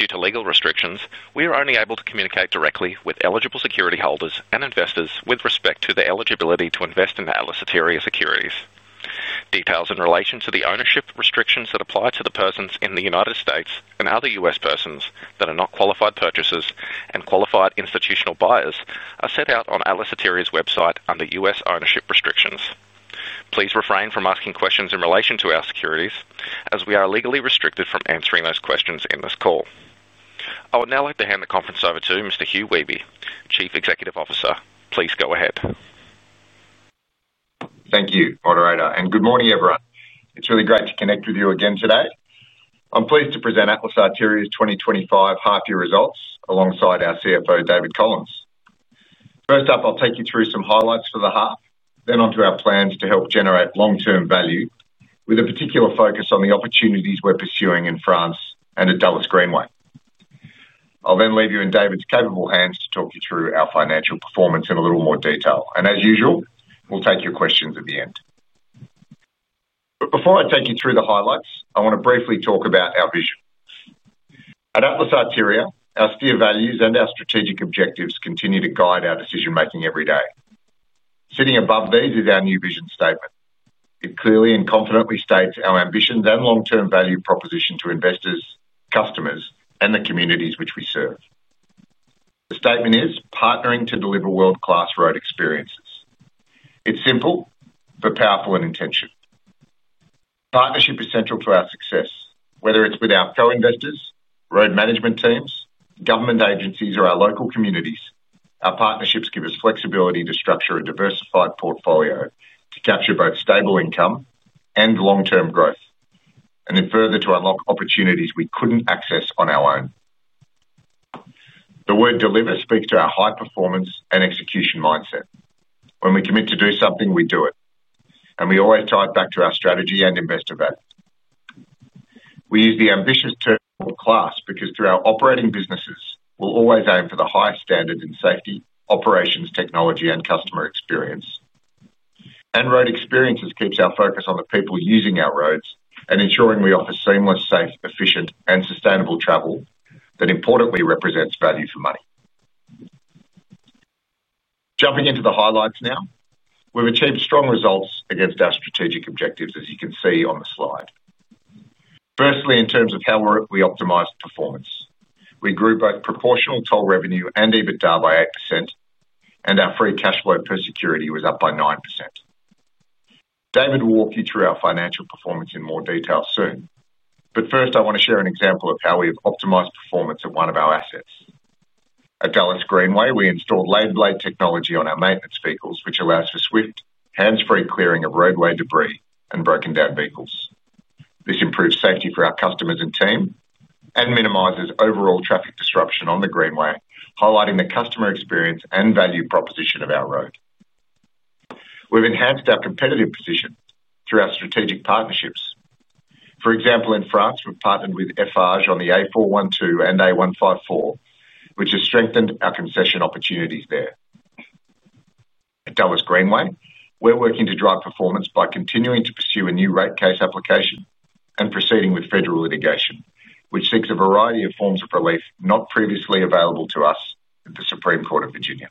Due to legal restrictions, we are only able to communicate directly with eligible security holders and investors with respect to the eligibility to invest in the Atlas Arteria Securities. Details in relation to the ownership restrictions that apply to persons in the United States and other U.S. persons that are not qualified purchasers and qualified institutional buyers are set out on Atlas Arteria's website under U.S. Ownership restrictions. Please refrain from asking questions in relation to our securities as we are legally restricted from answering those questions in this call. I would now like to hand the conference over to Mr. Hugh Wehby, Chief Executive Officer. Please go ahead. Thank you, Moderator, and good morning, everyone. It's really great to connect with you again today. I'm pleased to present Atlas Arteria's 2025 half year results alongside our CFO, David Collins. First up, I'll take you through some highlights for the half, then onto our plans to help generate long term value with a particular focus on the opportunities we're pursuing in France and at Dulles Greenway. I'll then leave you in David's capable hands to talk you through our financial performance in a little more detail. As usual, we'll take your questions at the end. Before I take you through the highlights, I want to briefly talk about our vision. At Atlas Arteria our steer values and our strategic objectives continue to guide our decision making every day. Sitting above these is our new vision statement. It clearly and confidently states our ambitions and long term value proposition to investors, customers, and the communities which we serve. The statement is Partnering to deliver world class road experiences. It's simple but powerful and intentional. Partnership is central to our success, whether it's with our co-investors, road management teams, government agencies, or our local communities. Our partnerships give us flexibility to structure a diversified portfolio to capture both stable income and long term growth and then further to unlock opportunities we couldn't access on our own. The word deliver speaks to our high performance and execution mindset. When we commit to do something, we do it, and we always tie it back to our strategy and investor value. We use the ambitious term world class because through our operating businesses we'll always aim for the highest standards in safety, operations, technology, and customer experience. Road experiences keeps our focus on the people using our roads and ensuring we offer seamless, safe, efficient, and sustainable travel that importantly represents value for money. Jumping into the highlights now, we've achieved strong results against our strategic objectives as you can see on the slide. Firstly, in terms of how we optimized performance, we grew both proportional toll revenue and EBITDA by 8%, and our free cash flow per security was up by 9%. David will walk you through our financial performance in more detail soon, but first I want to share an example of how we have optimized performance at one of our assets. At Dulles Greenway, we install blade technology on our maintenance vehicles which allows for swift hands-free clearing of roadway debris and broken down vehicles. This improves safety for our customers and team and minimizes overall traffic disruption on the Greenway, highlighting the customer experience and value proposition of our road. We've enhanced our competitive position through our strategic partnerships. For example, in France, we've partnered with Eiffage on the A412 and A154 which has strengthened our concession opportunities there. At Dulles Greenway, we're working to drive performance by continuing to pursue a new rate case application and proceeding with federal litigation which seeks a variety of forms of relief not previously available to us at the Supreme Court of Virginia.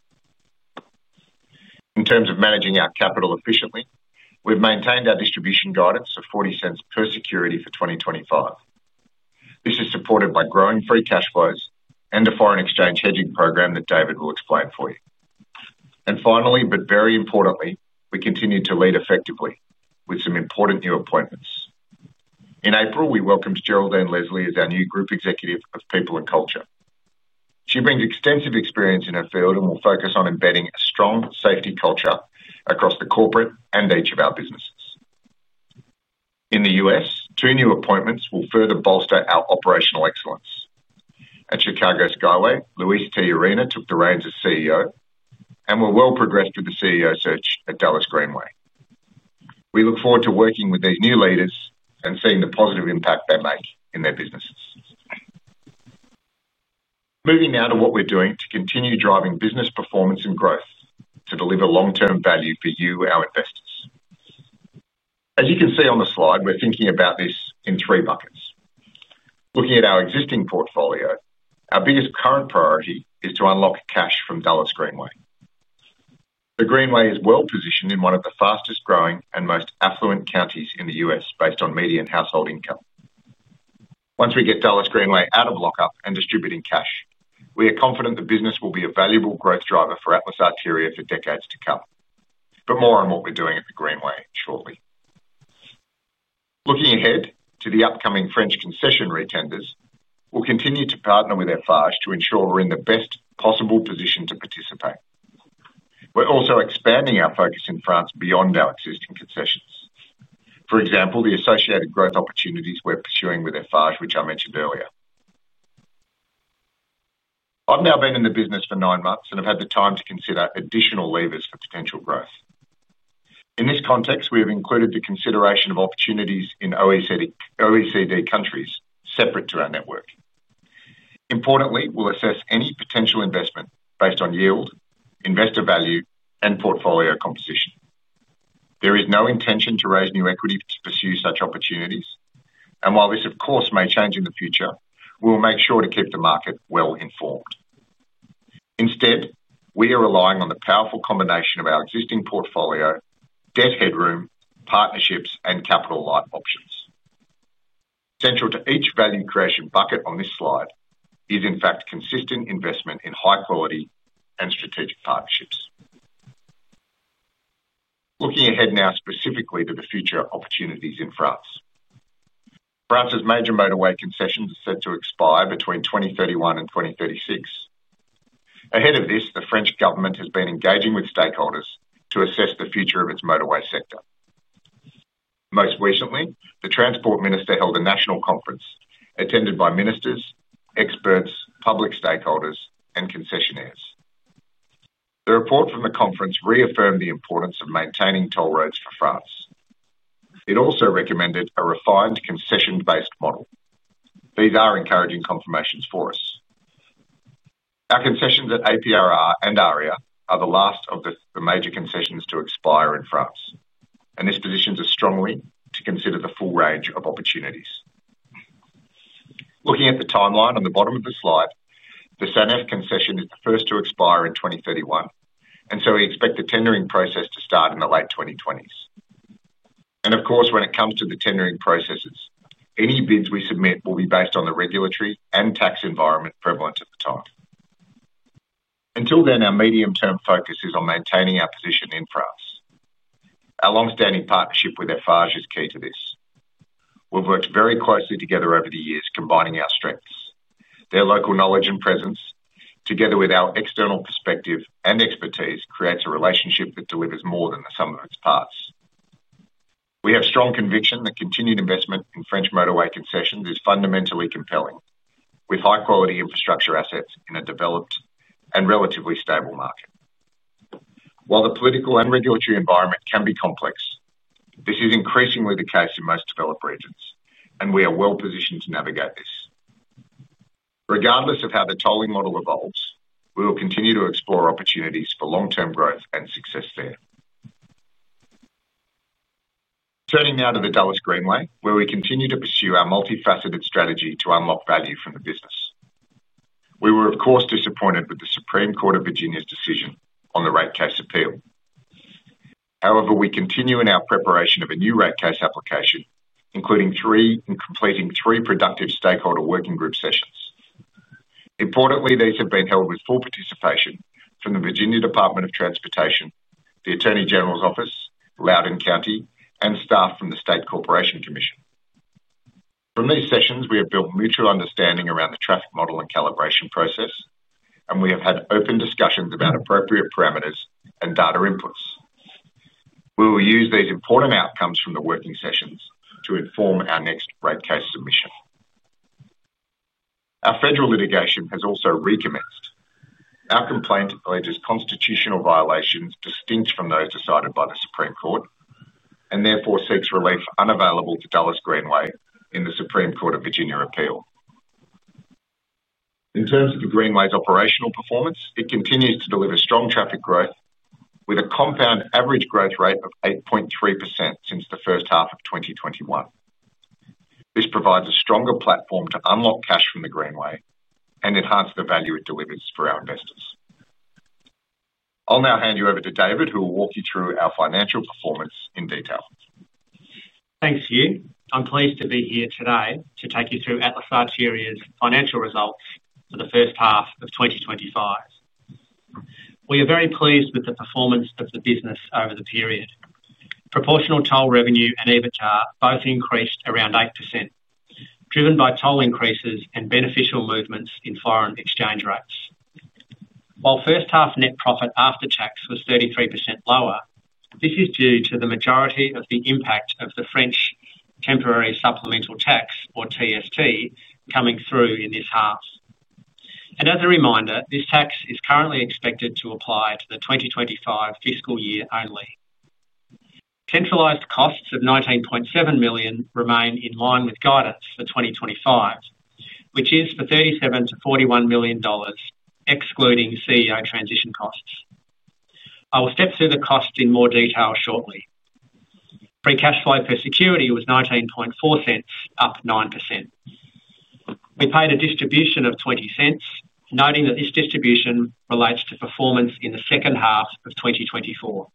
In terms of managing our capital efficiently, we've maintained our distribution guidance of $0.40 per security for 2025. This is supported by growing free cash flows and the foreign exchange hedging program that David will explain for you. Finally, but very importantly, we continue to lead effectively with some important new appointments. In April, we welcomed Geraldine Leslie as our new Group Executive of People and Culture. She brings extensive experience in her field and will focus on embedding a strong safety culture across the corporate and each of our businesses in the U.S. Two new appointments will further bolster our operational excellence. At Chicago Skyway, Luis Terrazas took the reins as CEO and we're well progressed with the CEO search at Dulles Greenway. We look forward to working with these new leaders and seeing the positive impact they make in their businesses. Moving now to what we're doing to continue driving business performance and growth to deliver long term value for you, our investors. As you can see on the slide, we're thinking about this in three buckets. Looking at our existing portfolio, our biggest current priority is to unlock cash from Dulles Greenway. The Greenway is well positioned in one of the fastest growing and most affluent counties in the U.S. based on median household income. Once we get Dulles Greenway out of lockup and distributing cash, we are confident the business will be a valuable growth driver for Atlas Arteria for decades to come. More on what we're doing at the Greenway shortly. Looking ahead to the upcoming French concession retenders, we'll continue to partner with Eiffage to ensure we're in the best possible position to participate. We're also expanding our focus in France beyond our existing concessions. For example, the associated growth opportunities we're pursuing with Eiffage, which I mentioned earlier. I've now been in the business for nine months and have had the time to consider additional levers for potential growth. In this context, we have included the consideration of opportunities in OECD countries separate to our network. Importantly, we'll assess any potential investment based on yield, investor value, and portfolio composition. There is no intention to raise new equity to pursue such opportunities. While this of course may change in the future, we will make sure to keep the market well informed. Instead, we are relying on the powerful combination of our existing portfolio, debt headroom, partnerships, and capital-light options. Central to each value creation bucket on this slide is in fact consistent investment in high quality and strategic partnerships. Looking ahead now, specifically to the future opportunities in France, France's major motorway concessions are set to expire between 2031 and 2036. Ahead of this, the French government has been engaging with stakeholders to assess the future of its motorway sector. Most recently, the Transport Minister held a national conference attended by ministers, experts, public stakeholders, and concessionaires. The report from the conference reaffirmed the importance of maintaining toll roads for France. It also recommended a refined concession-based model. These are encouraging confirmations for us. Our concessions at APRR and AREA are the last of the major concessions to expire in France, and this positions us strongly to consider the full range of opportunities. Looking at the timeline on the bottom of the slide, the SANEF concession is the first to expire in 2031, and so we expect the tendering process to start in the late 2020s. Of course, when it comes to the tendering processes, any bids we submit will be based on the regulatory and tax environment prevalent at the time. Until then, our medium-term focus is on maintaining our position in France. Our long-standing partnership with Eiffage is key to this. We've worked very closely together over the years, combining our strengths, their local knowledge and presence, together with our external perspective and expertise creates a relationship that delivers more than the sum of its parts. We have strong conviction that continued investment in French motorway concessions is fundamentally compelling with high quality infrastructure assets in a developed and relatively stable market. While the political and regulatory environment can be complex, this is increasingly the case in most developed regions, and we are well positioned to navigate this. Regardless of how the tolling model evolves, we will continue to explore opportunities for long term growth and success. Turning now to the Dulles Greenway, where we continue to pursue our multifaceted strategy to unlock value from the business, we were of course disappointed with the Supreme Court of Virginia's decision on the rate case appeal. However, we continue in our preparation of a new rate case application, including completing three productive stakeholder working group sessions. Importantly, these have been held with full participation from the Virginia Department of Transportation, the Attorney General's Office, Loudoun County, and staff from the State Corporation Commission. From these sessions, we have built mutual understanding around the traffic model and calibration process, and we have had open discussions about appropriate parameters and data inputs. We will use these important outcomes from the working sessions to inform our next rate case submission. Our federal litigation has also recommenced. Our complaint alleges constitutional violations distinct from those decided by the Supreme Court and therefore seeks relief unavailable to Dulles Greenway in the Supreme Court of Virginia appeal. In terms of the Greenway's operational performance, it continues to deliver strong traffic growth with a compound average growth rate of 8.3% since the first half of 2021. This provides a stronger platform to unlock cash from the Greenway and enhance the value it delivers for our investors. I'll now hand you over to David, who will walk you through our financial performance in detail. Thanks Hugh. I'm pleased to be here today to take you through Atlas Arteria's financial results for the first half of 2025. We are very pleased with the performance of the business over the period. Proportional toll revenue and EBITDA both increased around 8% driven by toll increases and beneficial movements in foreign exchange rates, while first half net profit after tax was 33% lower. This is due to the majority of the impact of the French Temporary Supplemental Tax or TST coming through in this half. As a reminder, this tax is currently expected to apply to the 2025 fiscal year only. Centralized costs of $19.7 million remain in line with guidance for 2025, which is for $37 million-$41 million excluding CEO transition costs. I will step through the costs in more detail shortly. Free cash flow per security was $0.194, up 9%. We paid a distribution of $0.20, noting that each distribution relates to performance in the second half of 2024.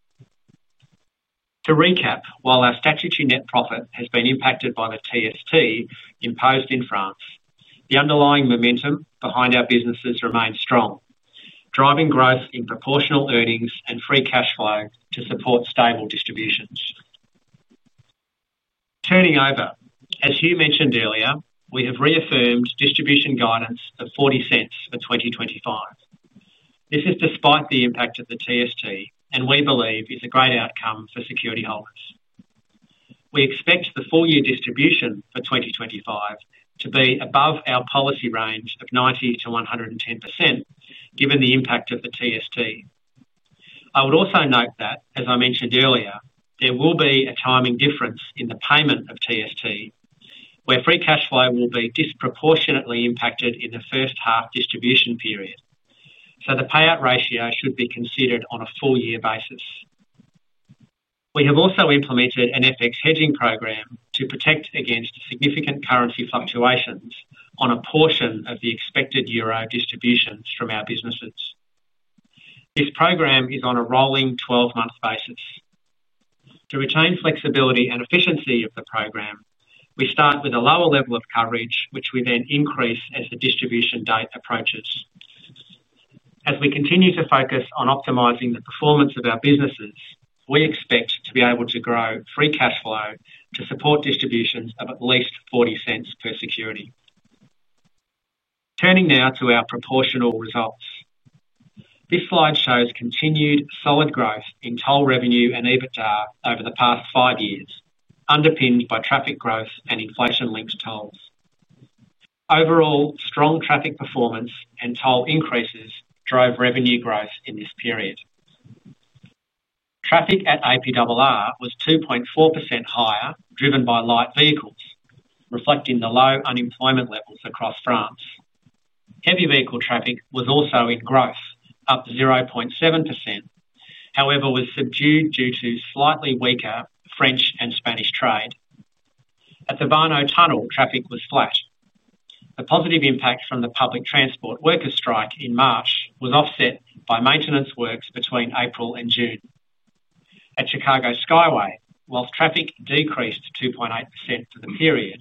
To recap, while our statutory net profit has been impacted by the TST imposed in France, the underlying momentum behind our businesses remains strong, driving growth in proportional earnings and free cash flow to support stable distributions. Turning over, as Hugh mentioned earlier, we have reaffirmed distribution guidance of $0.40 for 2025. This is despite the impact of the TST and we believe is a great outcome for security holders. We expect the full year distribution for 2025 to be above our policy range of 90% to 110% given the impact of the TST. I would also note that as I mentioned earlier there will be a timing difference in the payment of TST where free cash flow will be disproportionately impacted in the first half distribution period, so the payout ratio should be considered on a full year basis. We have also implemented an FX hedging program to protect against significant currency fluctuations on a portion of the expected Euro distributions from our businesses. This program is on a rolling 12-month basis. To retain flexibility and efficiency of the program we start with a lower level of coverage, which we then increase as the distribution date approaches. As we continue to focus on optimizing the performance of our businesses, we expect to be able to grow free cash flow to support distributions of at least $0.40 per security. Turning now to our proportional results, this slide shows continued solid growth in toll revenue and EBITDA over the past five years underpinned by traffic growth and inflation-linked tolls. Overall strong traffic performance and toll increases drove revenue growth in this period. Traffic at APRR was 2.4% higher driven by light vehicles, reflecting the low unemployment levels across France. Heavy vehicle traffic was also in growth, up 0.7%, however was subdued due to slightly weaker French and Spanish trade. At the Warnow Tunnel, traffic was flat. The positive impact from the public transport workers strike in March was offset by maintenance works between April and June. At Chicago Skyway, whilst traffic decreased 2.8% for the period,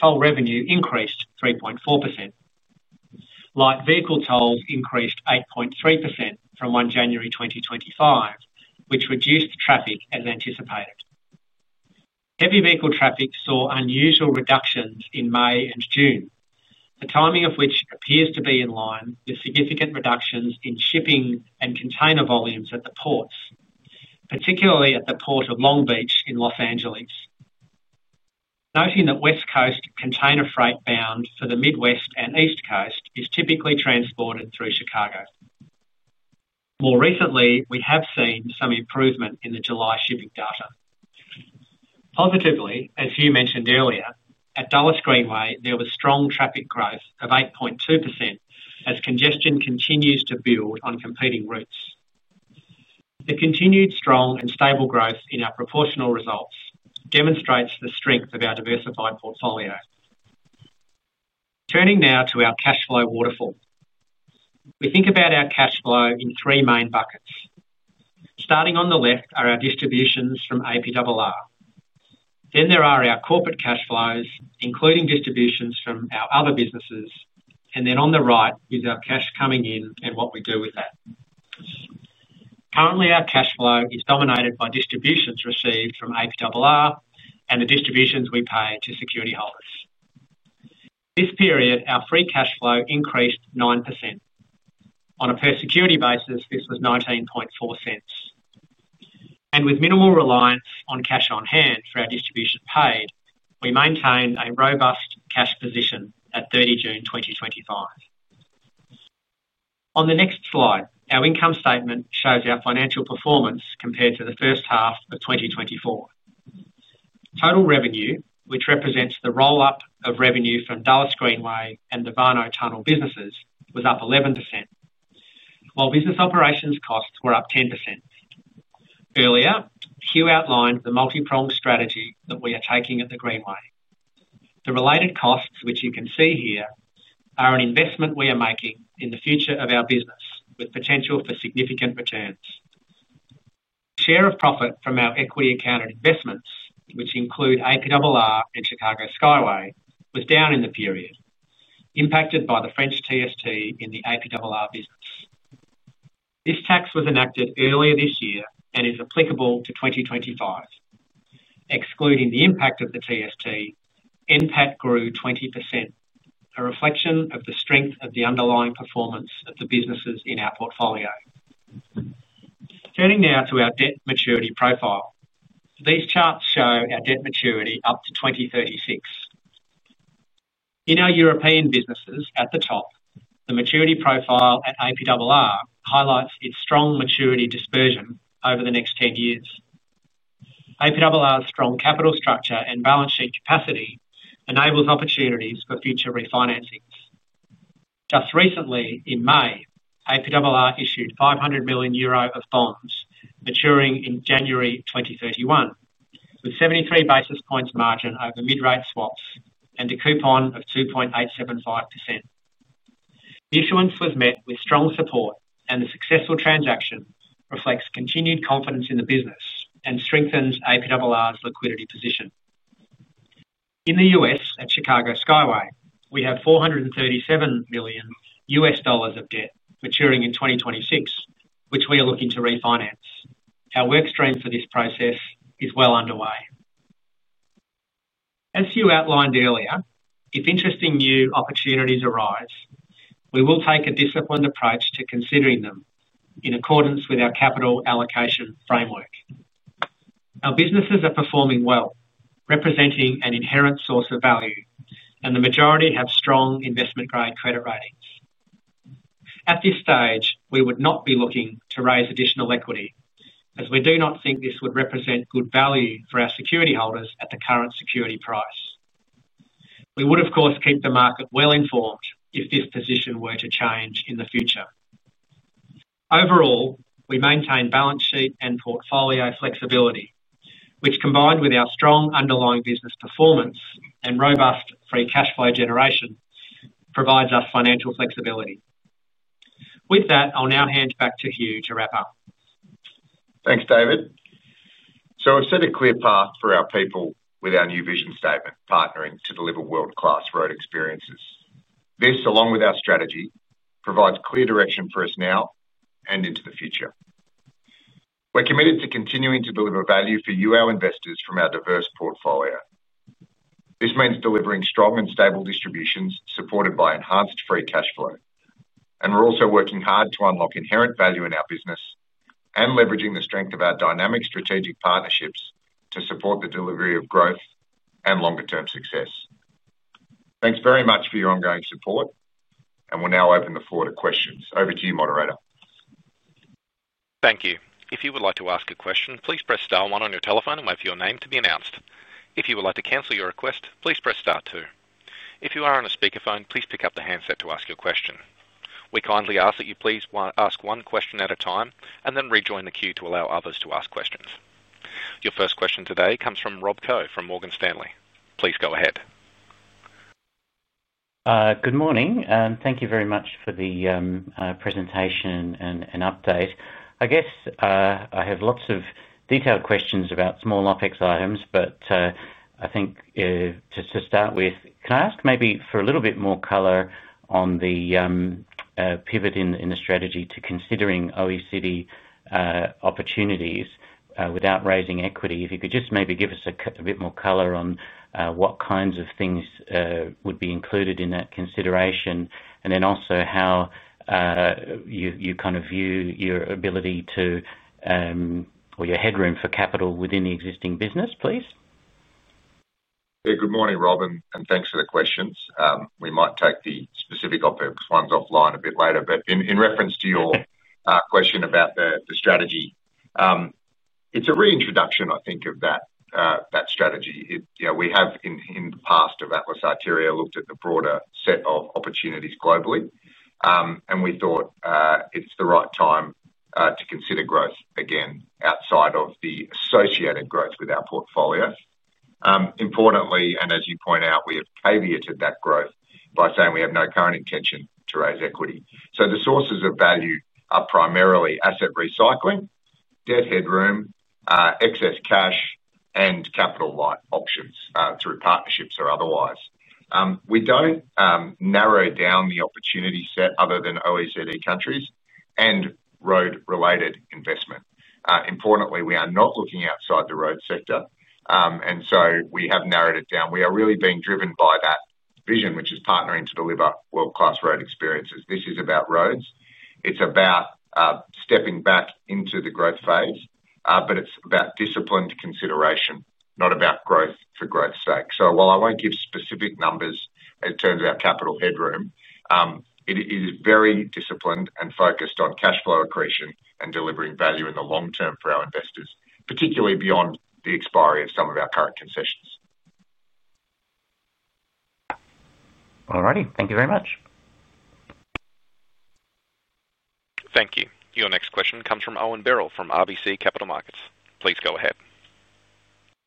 toll revenue increased 3.4%. Light vehicle tolls increased 8.3% from 1 January 2025, which reduced traffic as anticipated. Heavy vehicle traffic saw unusual reductions in May and June, the timing of which appears to be in line with significant reductions in shipping and container volumes at the ports, particularly at the Port of Long Beach in Los Angeles, noting that West Coast container freight bound for the Midwest and East Coast is typically transported through Chicago. More recently, we have seen some improvement in the July shipping data. Positively as Hugh mentioned earlier, at Dulles Greenway there was strong traffic growth of 8.2% as congestion continues to build on competing routes. The continued strong and stable growth in our proportional results demonstrates the strength of our diversified portfolio. Turning now to our cash flow waterfall, we think about our cash flow in three main buckets. Starting on the left are our distributions from APRR. Then there are our corporate cash flows including distributions from our other businesses, and then on the right is our cash coming in and what we do with that. Currently, our cash flow is dominated by distributions received from APRR and the distributions we pay to security holders. This period, our free cash flow increased 9%. On a per security basis, this was $0.194 and with minimal reliance on cash on hand for our distribution paid, we maintained a robust cash position at 30 June 2025. On the next slide, our income statement shows our financial performance compared to the first half of 2024. Total revenue, which represents the roll up of revenue from Dulles Greenway and the Warnow Tunnel businesses, was up 11% while business operations costs were up 10%. Earlier, Hugh outlined the multi-pronged strategy that we are taking at the Greenway. The related costs, which you can see here, are an investment we are making in the future of our business with potential for significant returns. Share of profit from our equity accounted investments, which include APRR and Chicago Skyway, was down in the period impacted by the French TST in the APRR business. This tax was enacted earlier this year and is applicable to 2025. Excluding the impact of the TST, NPAT grew 20%, a reflection of the strength of the underlying performance of the businesses in our portfolio. Turning now to our debt maturity profile, these charts show our debt maturity up to 2036. In our European businesses at the top, the maturity profile at APRR highlights its strong maturity dispersion over the next 10 years. APRR's strong capital structure and balance sheet capacity enables opportunities for future refinancing. Just recently in May, APRR issued 500 million euro of bonds maturing in January 2031 with 73 basis points margin over mid-range swaps and a coupon of 2.875%. Issuance was met with strong support and the successful transaction reflects continued confidence in the business and strengthens APRR's liquidity position. In the U.S. at Chicago Skyway, we have $437 million of debt maturing in 2026 which we are looking to refinance. Our work stream for this process is well underway. As Hugh outlined earlier, if interesting new opportunities arise, we will take a disciplined approach to considering them in accordance with our capital allocation framework. Our businesses are performing well, representing an inherent source of value, and the majority have strong investment-grade credit ratings. At this stage, we would not be looking to raise additional equity as we do not think this would represent good value for our security holders at the current security price. We would, of course, keep the market well informed if this position were to change in the future. Overall, we maintain balance sheet and portfolio flexibility, which, combined with our strong underlying business performance and robust free cash flow generation, provides us financial flexibility. With that, I'll now hand back to Hugh to wrap up. Thanks, David. We have set a clear path for our people with our new vision statement, Partnering to Deliver World Class Road Experiences. This, along with our strategy, provides clear direction personnel and into the future. We're committed to continuing to deliver value for you, our investors from our diverse portfolio. This means delivering strong and stable distributions supported by enhanced free cash flow. We're also working hard to unlock inherent value in our business and leveraging the strength of our dynamic strategic partnerships to support the delivery of growth and longer term success. Thanks very much for your ongoing support and we'll now open the floor to questions. Over to you, moderator. Thank you. If you would like to ask a question, please press Star 1 on your telephone and wait for your name to be announced. If you would like to cancel your request, please press Star 2. If you are on a speakerphone, please pick up the handset to ask your question. We kindly ask that you please ask one question at a time and then rejoin the queue to allow others to ask questions. Your first question today comes from Rob Koh from Morgan Stanley. Please go ahead. Good morning. Thank you very much for the presentation and update. I guess I have lots of detailed questions about small OpEx items, but I think just to start with, can I ask maybe for a little bit more color on the pivot in the strategy to considering OECD opportunities without raising equity? If you could just maybe give us a bit more color on what kinds of things would be included in that consideration, and then also how you kind of view your ability to or your headroom for capital within the existing business, please. Good morning Robyn, and thanks for the questions. We might take the specifics of the ones offline a bit later, but in reference to your question about the strategy, it's a reintroduction I think of that strategy. We have in the past at Atlas Arteria looked at the broader set of opportunities globally and we thought it's the right time to consider growth again outside of the associated growth with our portfolio. Importantly, and as you point out, we have caveated that growth by saying we have no current intention to raise equity. The sources of value are primarily asset recycling, debt headroom, excess cash, and capital-light options through partnerships or otherwise. We don't narrow down the opportunity set other than OECD countries and road-related investment. Importantly, we are not looking outside the road sector and we have narrowed it down. We are really being driven by that vision which is partnering to deliver world-class road experiences. This is about roads, it's about stepping back into the growth phase, but it's about disciplined consideration, not about growth for growth's sake. While I won't give specific numbers in terms of our capital headroom, it is very disciplined and focused on cash flow accretion and delivering value in the long term for our investors, particularly beyond the expiry of some of our current concessions. Alright, thank you very much. Thank you. Your next question comes from Owen Birrell from RBC Capital Markets. Please go ahead.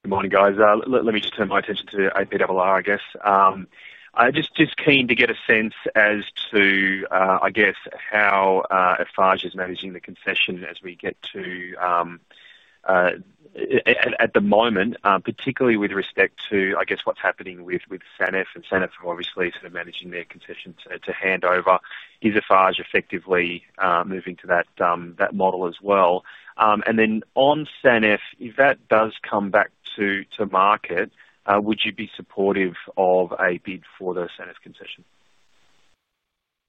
Good morning guys. Let me just turn my attention to APRR. I guess I'm just keen to get a sense as to, I guess, how Eiffage is managing the concession as we get to, at the moment, particularly with respect to, I guess what's happening with SANEF. Obviously managing their concession to hand over, is Eiffage effectively moving to that model as well. On SANEF, if that does come back to market, would you be supportive of a bid for the SANEF concession?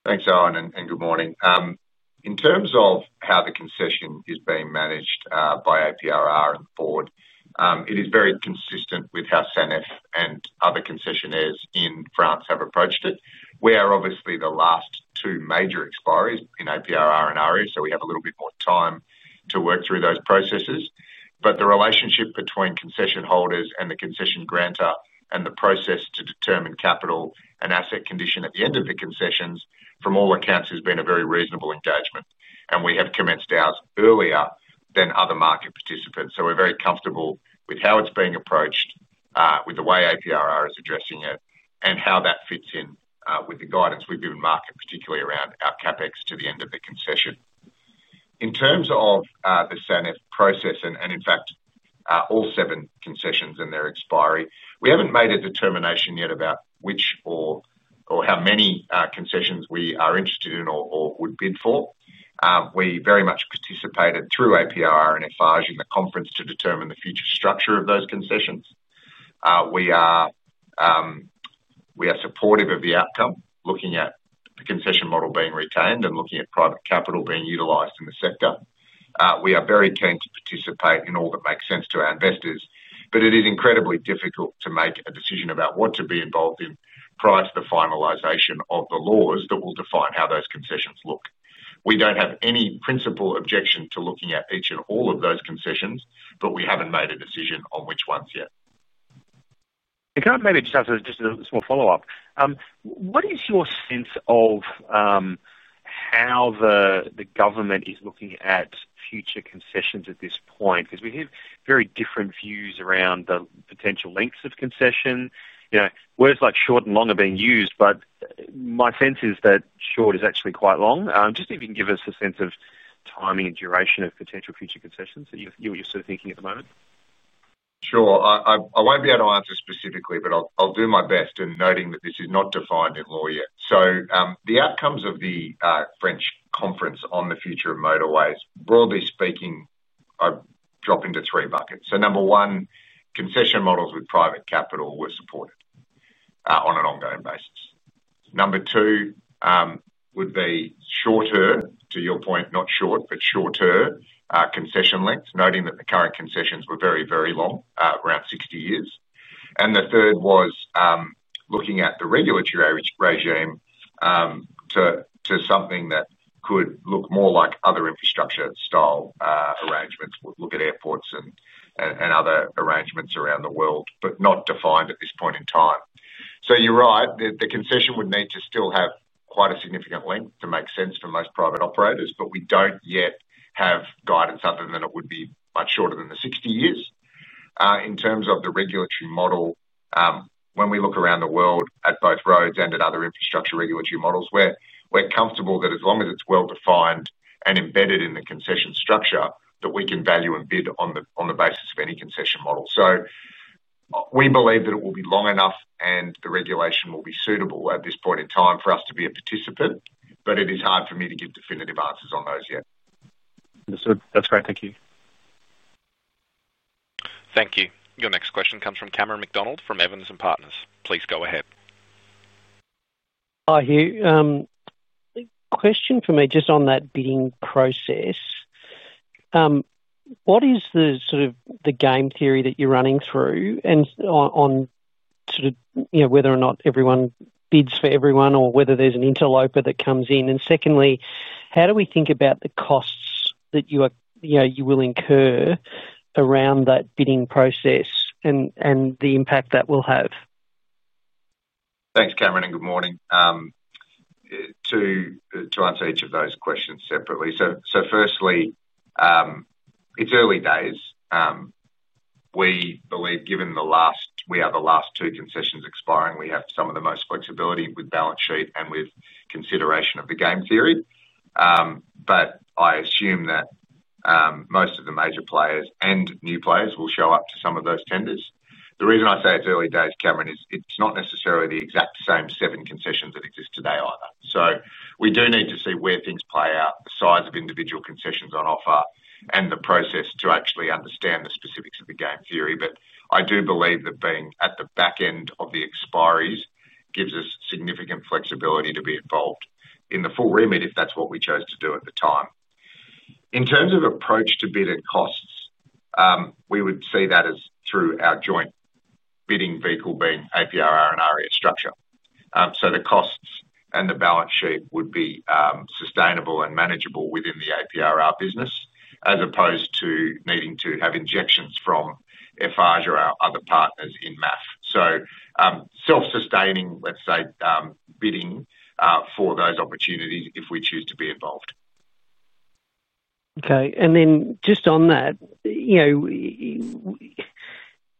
Thanks, Owen, and good morning. In terms of how the concession is being managed by APRR and the board, it is very consistent with how SANEF and other concessionaires in France have approached it. Obviously, the last two major expiries are in APRR and AREA, so we have a little bit more time to work through those processes. The relationship between concession holders and the concession grantor and the process to determine capital and asset condition at the end of the concessions from all accounts has been a very reasonable engagement, and we have commenced ours earlier than other market participants. We are very comfortable with how it's being approached, with the way APRR is addressing it, and how that fits in with the guidance we've given market, particularly around our CapEx to the end of the concession. In terms of the SANEF process and in fact all seven concessions and their expiry, we haven't made a determination yet about which or how many concessions we are interested in or would bid for. We very much participated through APRR and Eiffage in the conference to determine the future structure of those concessions. We are supportive of the outcome, looking at the concession model being retained and looking at private capital being utilized in the sector. We are very keen to participate in all that makes sense to our investors. It is incredibly difficult to make a decision about what to be involved in prior to the finalization of the laws that will define how those concessions look. We don't have any principal objection to looking at each and all of those concessions, but we haven't made a decision on which ones yet. Can I maybe just a small follow up. What is your sense of how the government is looking at future concessions at this point because we have very different views around the potential lengths of concession, you know, words like short and long are being used, but my sense is that short is actually quite long. Just if you can give us a sense of timing and duration of potential future concessions, you're sort of thinking at the moment. Sure, I won't be able to answer specifically, but I'll do my best in noting that this is not defined in law yet. The outcomes of the French Conference on the future of motorways, broadly speaking, drop into three buckets. Number one, concession models with private capital were supported on an ongoing basis. Number two would be shorter, to your point, not short, but shorter concession length, noting that the current concessions were very, very long, around 60 years. The third was looking at the regulatory regime to something that could look more like other infrastructure style arrangements, look at airports and other arrangements around the world, but not defined at this point in time. You're right, the concession would need to still have quite a significant length to make sense for most private operators, but we don't yet have guidance other than it would be much shorter than the 60 years in terms of the regulatory model. When we look around the world at both roads and at other infrastructure regulatory models, we're comfortable that as long as it's well defined and embedded in the concession structure, we can value and bid on the basis of any concession model. We believe that it will be long enough and the regulation will be suitable at this point in time for us to be a participant. It is hard for me to give definitive answers on those yet. Understood. That's great. Thank you. Thank you. Your next question comes from Cameron McDonald from Evans and Partners. Please go ahead. Hi, Hugh. Question for me, just on that bidding process, what is the sort of the game theory that you're running through and on sort of, you know, whether or not everyone bids for everyone or whether there's an interloper that comes in. Secondly, how do we think about the costs that you are, you know, you will incur around that bidding process and the impact that will have. Thanks, Cameron, and good morning. To answer each of those questions separately. Firstly, it's early days. We believe given the last. We are the last two concessions expiring, we have some of the most flexibility with balance sheet and with consideration of the game period. I assume that most of the major players and new players will show up to some of those tenders. The reason I say it's early days, Cameron, is it's not necessarily the exact same seven concessions that exist today either. We do need to see where things play out, the size of individual concessions on offer, and the process to actually understand the specifics of the game theory. I do believe that being at the back end of the expiries gives us significant flexibility to be involved in the full remit if that's what we chose to do at the time. In terms of approach to bid at costs, we would see that as through our joint bidding vehicle being APRR and AREA structure, so the costs and the balance sheet would be sustainable and manageable within the APRR business as opposed to needing to have injections from Eiffage or our other partners in MAF. Self-sustaining, let's say, bidding for those opportunities if we choose to be involved. Okay. On that,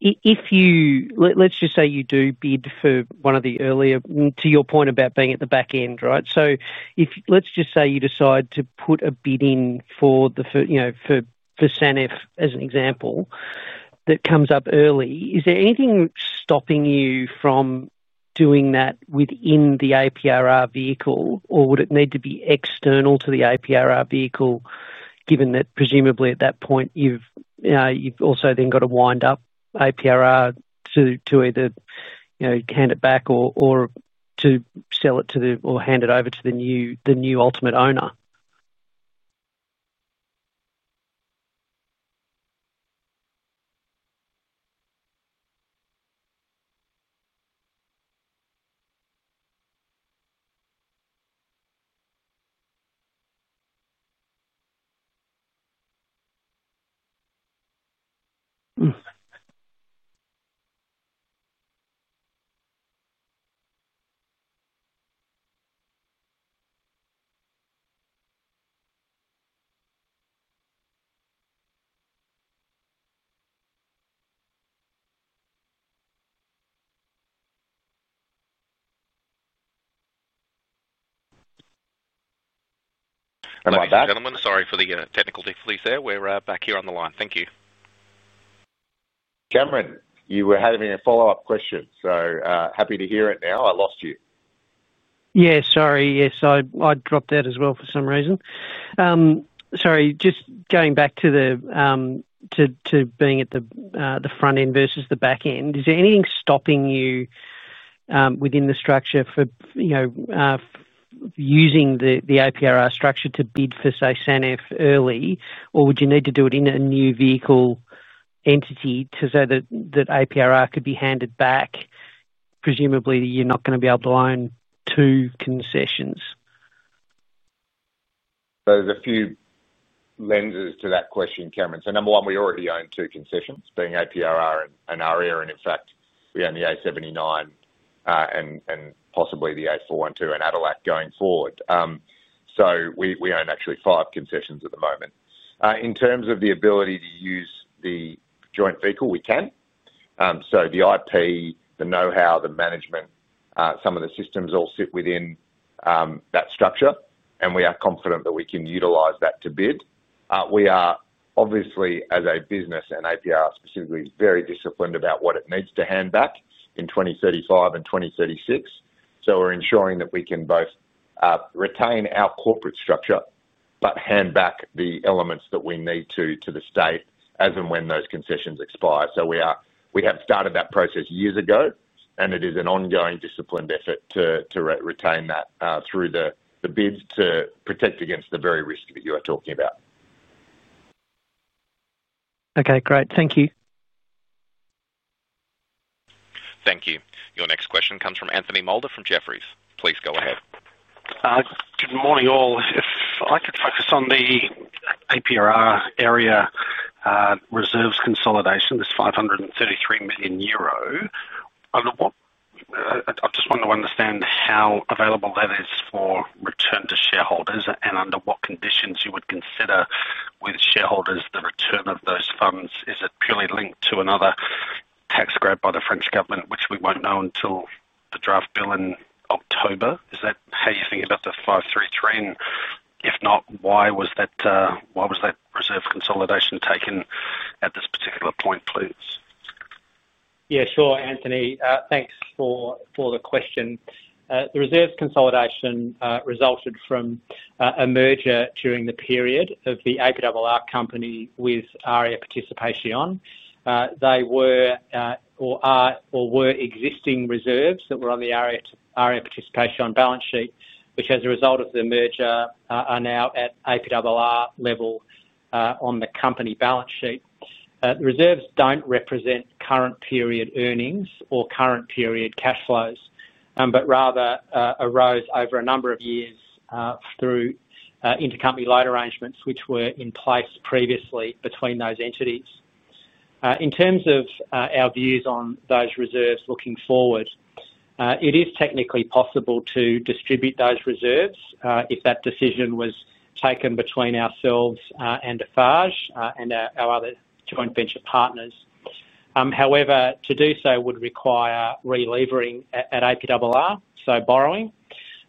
if you, let's just say you do bid for one of the earlier, to your point about being at the back end, right, if, let's just say you decide to put a bid in for, you know, for SANEF as an example that comes up early, is there anything stopping you from doing that within the APRR vehicle, or would it need to be external to the APRR vehicle given that presumably at that point you've also then got to wind up APRR to either, you know, hand it back or to sell it to the, or hand it over to the new, the new ultimate owner. Gentlemen, sorry for the technical difficulties there. We're back here on the line. Thank you Cameron. You were having a follow-up question, so happy to hear it. Now I lost you. Sorry, just going back to being at the front end versus the back end. Is there anything stopping you within the structure for, you know, using the APRR structure to bid for, say, SANEF early or would you need to do it in a new vehicle entity to say that APRR could be handed back? Presumably you're not going to be able to own two concessions. There's a few lenses to that question, Cameron. Number one, we already own two concessions being APRR and AREA, and in fact we own the A79 and possibly the A412 and ADELAC going forward. We own actually five concessions at the moment. In terms of the ability to use the joint vehicle, we can. The IP, the know-how, the management, some of the systems all sit within that structure, and we are confident that we can utilize that to bid. We are obviously as a business, and APRR specifically, very disciplined about what it needs to hand back in 2035 and 2036. We're ensuring that we can both retain our corporate structure, but hand back the elements that we need to the state as and when those concessions expire. We have started that process years ago and it is an ongoing, disciplined effort to retain that through the bids to protect against the very risk that you are talking about. Okay, great. Thank you. Thank you. Your next question comes from Anthony Moulder from Jefferies. Please go ahead. Good morning all. If I could focus on the APRR AREA reserves consolidation. This 533 million euro, I just want to understand how available that is for return to shareholders and under what conditions you would consider with shareholders the return of those funds. Is it purely linked to another tax grab by the French government, which we won't know until the draft bill in October? Is that how you think about the 533 million? If not, why was that? Why was that reserve consolidation taken at this particular point? Please. Yeah, sure, Anthony. Thanks for the question. The reserves consolidation resulted from a merger during the period of the APRR company with AREA participation. They were or are or were existing reserves that were on the AREA participation on balance sheet, which as a result of the merger are now at APRR level on the company balance sheet. Reserves don't represent current period earnings or current period cash flows, but rather arose over a number of years through intercompany loan arrangements which were in place previously between those entities. In terms of our views on those reserves looking forward, it is technically possible to distribute those reserves if that decision was taken between ourselves and Eiffage and our other joint venture partners. However, to do so would require re-levering at APRR, so borrowing,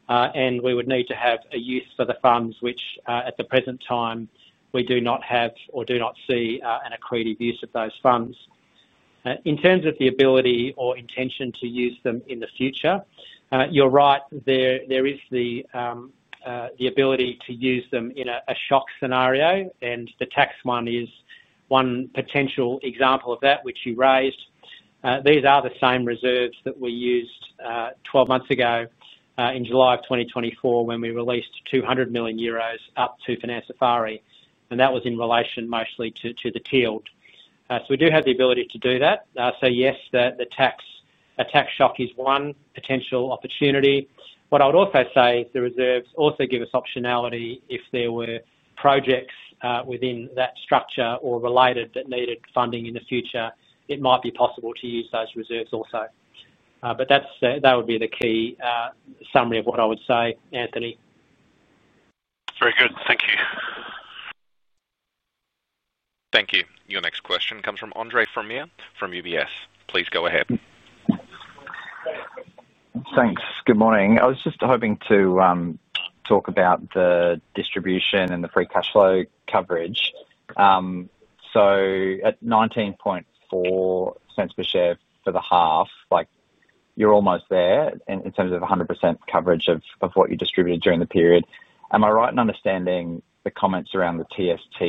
and we would need to have a use for the funds, which at the present time we do not have or do not see an accretive use of those funds in terms of the ability or intention to use them in the future. You're right. There is the ability to use them in a shock scenario. The tax one is one potential example of that, which you raised. These are the same reserves that we used 12 months ago in July of 2024 when we released 200 million euros up to Financière Eiffarie, and that was in relation mostly to the TST. We do have the ability to do that. The tax, a tax shock, is one potential opportunity. What I would also say, the reserves also give us optionality. If there were projects within that structure or related that needed funding in the future, it might be possible to use those reserves also. That would be the key summary of what I would say., Anthony. Very good. Thank you. Thank you. Your next question comes from Andre Fromyhr from UBS. Please go ahead. Thanks. Good morning. I was just hoping to talk about the distribution and the free cash flow coverage. At $0.194 per share for the half, you're almost there in terms of 100% coverage of what you distributed during the period. Am I right in understanding the comments around the TST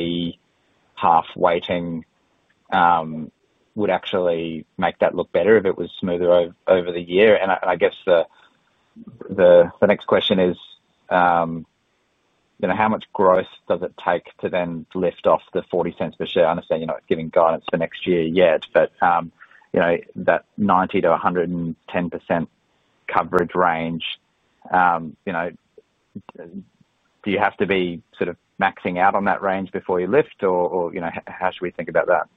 half weighting would actually make that look better if it was smoother over the year. I guess the next question is how much growth does it take to then lift off the $0.40 per share? I understand you're not giving guidance for next year yet, but that 90%-110% coverage range, do you have to be sort of maxing out on that range before you lift, or how should we think about that?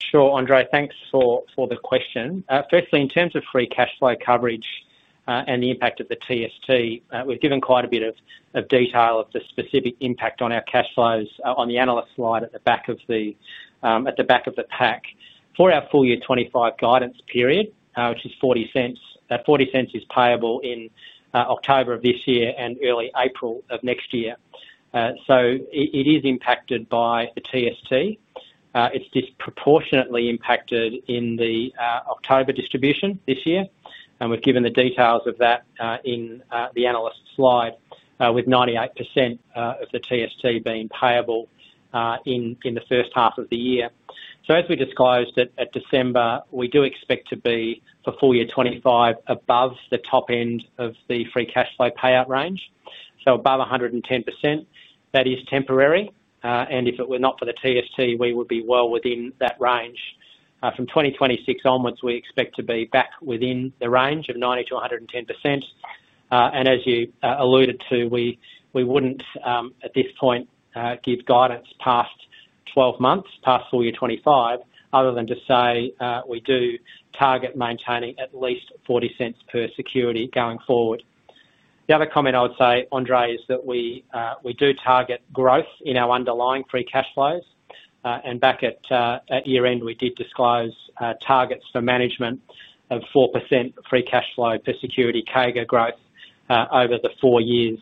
Sure. Andre, thanks for the question. Firstly, in terms of free cash flow coverage and the impact of the TST, we've given quite a bit of detail of the specific impact on our cash flows on the analyst slide at the back of the pack for our full year 2025 guidance period, which is $0.40. That $0.40 is payable in October of this year and early April of next year. It is impacted by the TST. It's disproportionately impacted in the October distribution this year and we've given the details of that in the analyst slide with 98% of the TST being payable in the first half of the year. As we disclosed at December, we do expect to be for full year 2025 above the top end of the free cash flow payout range, so above 110%. That is temporary and if it were not for the TST, we would be well within that range. From 2026 onwards we expect to be back within the range of 90%-110%. As you alluded to, we wouldn't at this point give guidance past 12 months, past full year 2025 other than to say we do target maintaining at least $0.40 per security going forward. The other comment I would say, Andre, is that we do target growth in our underlying free cash flows. Back at year end we did disclose targets for management of 4% free cash flow per security CAGR over the four years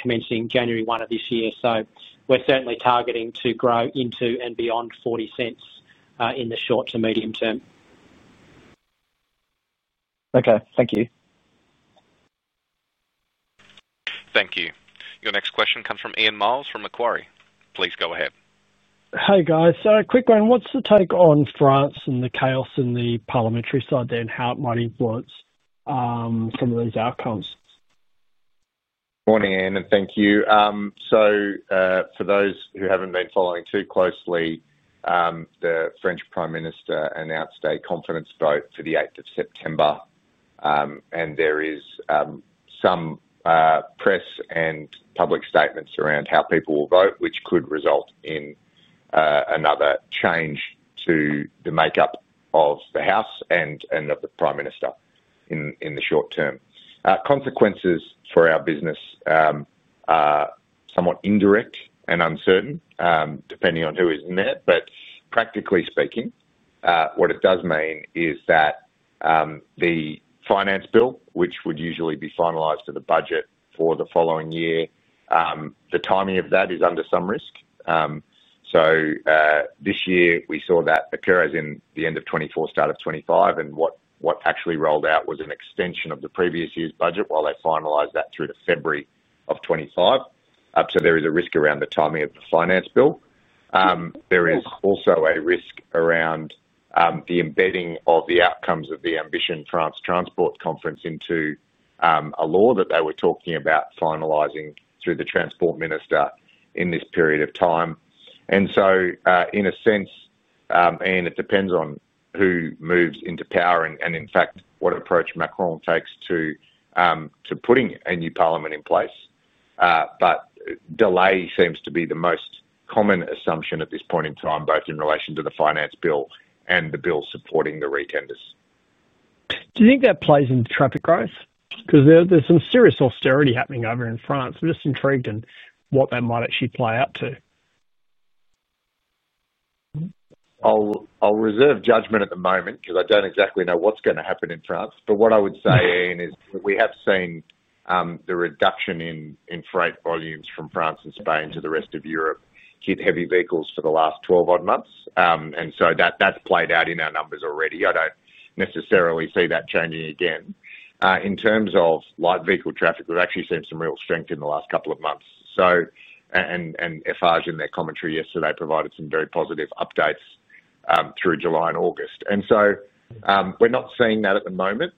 commencing January 1, 2025. We're certainly targeting to grow into and beyond $0.40 in the short to medium term. Okay, thank you. Thank you. Your next question comes from Ian Myles from Macquarie. Please go ahead. Hey, guys. Quick one, what's the take on France and the chaos in the Parliamentary side there, and how it might influence some of these outcomes? Morning, Ian, and thank you. For those who haven't been following too closely, the French Prime Minister announced a confidence vote for the 8th of September, and there is some press and public statements around how people will vote, which could result in another change to the makeup of the House and of the Prime Minister in the short term. Consequences for our business are somewhat indirect and uncertain, depending on who is in there. Practically speaking, what it does mean is that the finance bill, which would usually be finalized to the budget for the following year, the timing of that is under some risk. This year we saw that occur as in the end of 2024, start of 2025, and what actually rolled out was an extension of the previous year's budget while they finalized that through to February of 2025. There is a risk around the timing of the finance bill. There is also a risk around the embedding of the outcomes of the Ambition Transport Conference into a law that they were talking about finalizing through the Transport Minister in this period of time. In a sense, it depends on who moves into power and in fact what approach Macron takes to putting a new Parliament in place. Delay seems to be the most common assumption at this point in time, both in relation to the finance bill and the bill supporting the retenders. Do you think that plays into traffic growth? Because there's some serious austerity happening over in France. We're just intrigued in what that might actually play out to. I'll reserve judgment at the moment because I don't exactly know what's going to happen in France. What I would say, Ian, is we have seen the reduction in freight volumes from France and Spain to the rest of Europe hit heavy vehicles for the last 12 odd months. That's played out in our numbers already. I don't necessarily see that changing again. In terms of light vehicle traffic, we've actually seen some real strength in the last couple of months. IFRS in their commentary yesterday provided some very positive updates through July and August. We're not seeing that at the moment,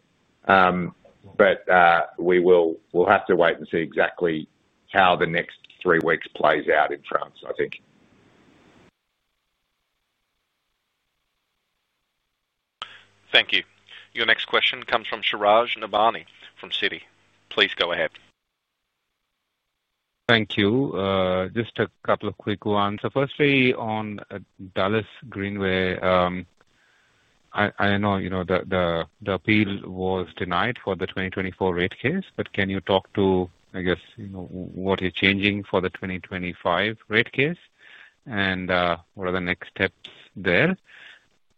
but we'll have to wait and see exactly how the next three weeks plays out in France, I think. Thank you. Your next question comes from Suraj Nebhani from Citi. Please go ahead. Thank you. Just a couple of quick ones. Firstly, on Dulles Greenway, I know the appeal was denied for the 2024 rate case, but can you talk to, I guess, what is changing for the 2025 rate case and what are the next steps there?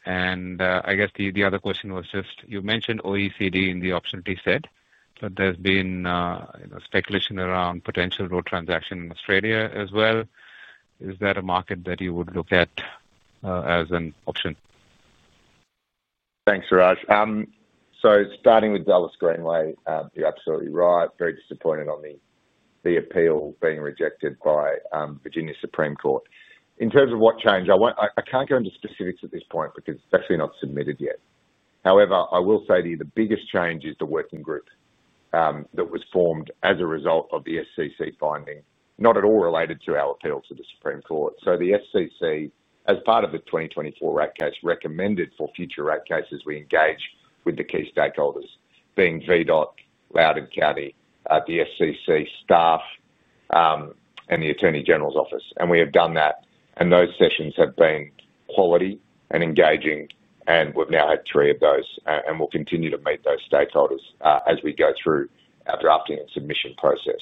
The other question was just you mentioned OECD in the optionality set, but there's been speculation around potential road transaction in Australia as well. Is that a market that you would look at as an option? Thanks Suraj. Starting with Dulles Greenway, you're absolutely right. Very disappointed on the appeal being rejected by Virginia Supreme Court. In terms of what changes, I can't go into specifics at this point because it's actually not submitted yet. However, I will say to you the biggest change is the working group that was formed as a result of the SCC finding, not at all related to our appeal to the Supreme Court. The SCC, as part of the 2024 rate case, recommended for future rate cases we engage with the key stakeholders, being VDOT, Loudoun County, the SCC staff, and the Attorney General's office. We have done that and those sessions have been quality and engaging, and we've now had three of those. We'll continue to meet those stakeholders as we go through our drafting and submission process.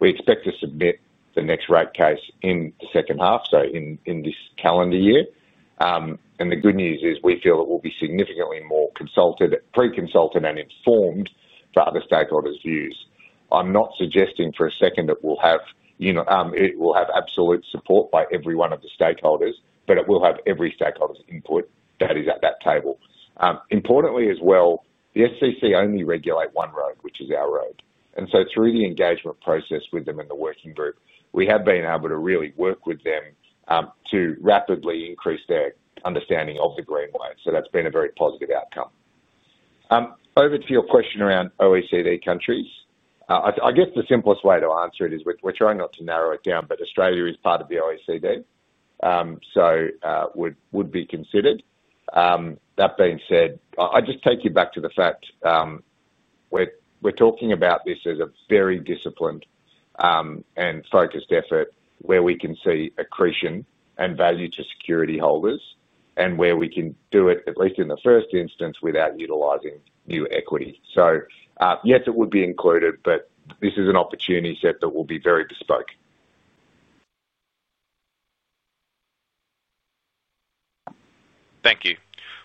We expect to submit the next rate case in the second half, though, in this calendar year. The good news is we feel it will be significantly more consulted, pre-consulted, and informed for other stakeholders' views. I'm not suggesting for a second that it will have absolute support by every one of the stakeholders, but it will have every stakeholder's input that is at that table. Importantly as well, the SCC only regulate one road, which is our road. Through the engagement process with them in the working group, we have been able to really work with them to rapidly increase their understanding of the Greenway. That's been a very positive outcome. Over to your question around OECD countries, the simplest way to answer it is we're trying not to narrow it down, but Australia is part of the OECD so would be considered. That being said, I just take you back to the fact we're talking about this as a very disciplined and focused effort where we can see accretion and value to security holders and where we can do it at least in the first instance without utilizing new equity. Yes, it would be included, but this is an opportunity set that will be very bespoke. Thank you.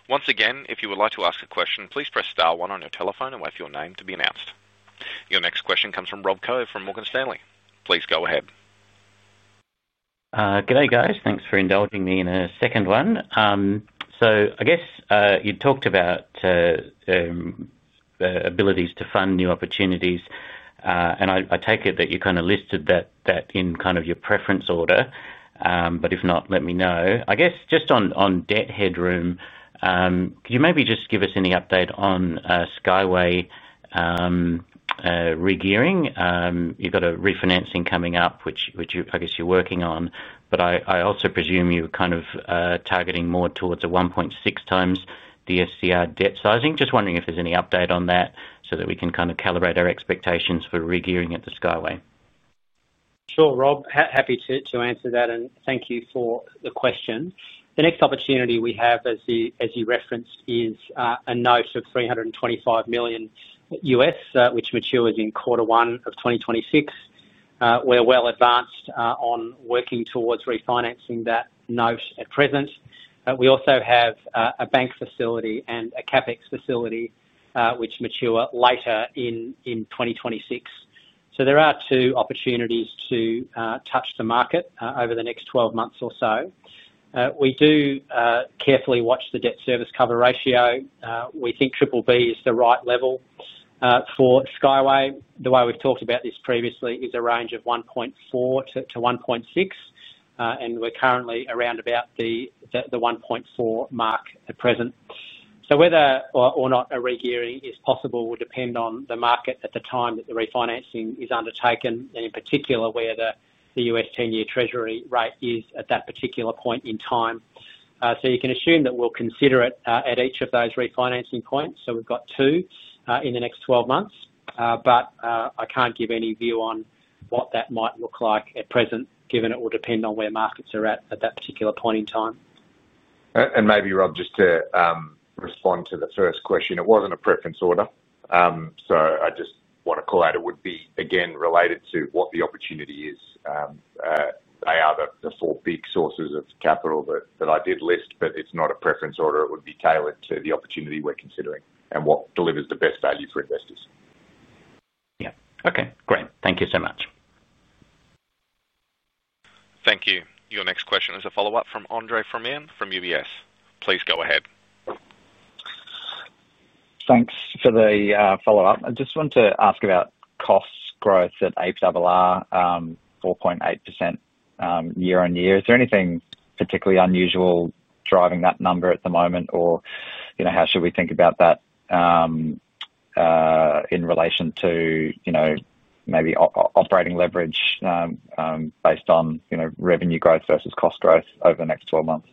Once again if you would like to ask a question, please press star one on your telephone and wait for your name to be announced. Your next question comes from Rob Koh from Morgan Stanley. Please go ahead. Good day guys. Thanks for indulging me in a second one. I guess you talked about the abilities to fund new opportunities, and I take it that you kind of listed that in kind of your preference order, but if not let me know. I guess just on debt headroom, could you maybe just give us any update on Skyway re-gearing? You've got a refinancing coming up, which I guess you're working on, but I also presume you're kind of targeting more towards a 1.6 times DSCR debt sizing. Just wondering if there's any update on that so that we can kind of calibrate our expectations for re-gearing at the Skyway. Sure Rob, happy to answer that and thank you for the question. The next opportunity we have as you referenced is a note of $325 million U.S. which matures in quarter one of 2026. We're well advanced on working towards refinancing that note at present. We also have a bank facility and a CapEx facility which mature later in 2026. There are two opportunities to touch the market over the next 12 months or so. We do carefully watch the debt service cover ratio. We think BBB is the right level for Skyway. The way we've talked about this previously is a range of 1.4 to 1.6 and we're currently around about the 1.4 mark at present. Whether or not a regearing is possible will depend on the market at the time that the refinancing is undertaken and in particular where the U.S. 10 year treasury rate is at that particular point in time. You can assume that we'll consider it at each of those refinancing points. We've got two in the next 12 months but I can't give any view on what that might look like at present given it will depend on where markets are at at that particular point in time. And maybe Rob, just to respond to the first question, it wasn't a preference order. I just want to call out it would be again related to what the opportunity is. They are the four big sources of capital that I did list, but it's not a preference order. It would be tailored to the opportunity we're considering and what delivers the best value for investors. Yeah. Okay, great. Thank you so much. Thank you. Your next question is a follow-up from Andre Fromyhr from UBS. Please go ahead. Thanks for the follow up. I just want to ask about costs growth at APRR, 4.8% year on year. Is there anything particularly unusual driving that number at the moment? Or how should we think about that in relation to maybe operating leverage based on revenue growth versus cost growth over the next 12 months?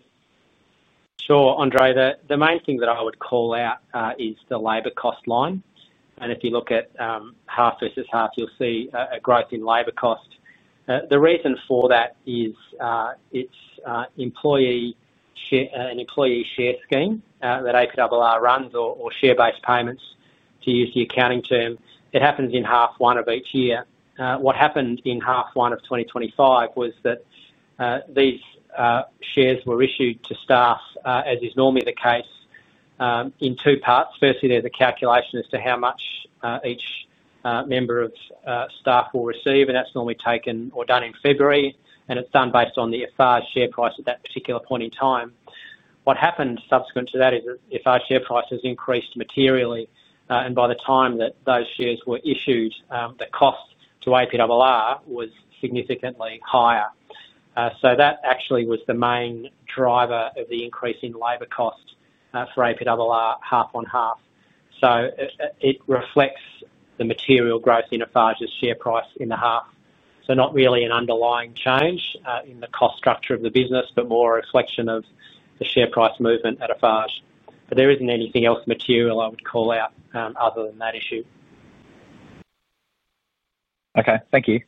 Sure, Andre. The main thing that I would call out is the labor cost line, and if you look at half versus half, you'll see a growth in labor cost. The reason for that is it's an employee share scheme that APRR runs, or share-based payments to use the accounting term. It happens in half one of each year. What happened in half one of 2025 was that these shares were issued to staff, as is normally the case, in two parts. Firstly, there's a calculation as to how much each member of staff will receive, and that's normally taken or done in February, and it's done based on the Eiffage share price at that particular point in time. What happened subsequent to that is that Eiffage's share price has increased materially, and by the time that those shares were issued, the cost to APRR was significantly higher. That actually was the main driver of the increase in labor cost for APRR half on half. It reflects the material growth in Eiffage's share price in the half. Not really an underlying change in the cost structure of the business, but more a reflection of the share price movement at Eiffage. There isn't anything else material I would call out other than that issue. Okay, thank you.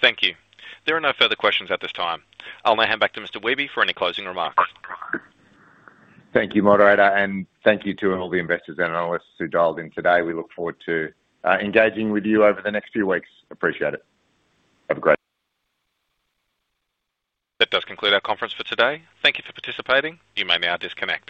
Thank you. There are no further questions at this time. I'll now hand back to Mr. Wehby for any closing remarks. Thank you, moderator, and thank you to all the investors and analysts who dialed in today. We look forward to engaging with you over the next few weeks. Appreciate it. Have a great. That does conclude our conference for today. Thank you for participating. You may now disconnect.